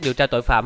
điều tra tội phạm